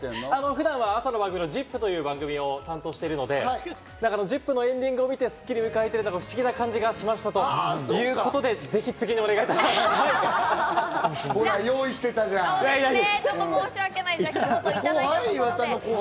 普段は朝の『ＺＩＰ！』という番組を担当しているので『ＺＩＰ！』のエンディングを見て、『スッキリ』を迎えているのが不思議な感じがしましたということで、ぜひ、次どうぞ。